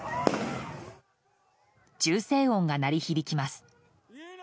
銃声音が鳴り響きます。